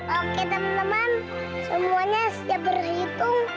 oke temen temen semuanya sudah berhitung